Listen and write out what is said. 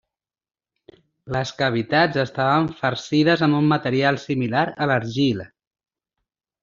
Les cavitats estaven farcides amb un material similar a l'argila.